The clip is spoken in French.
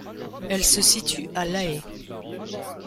Elles se situent à La Haye.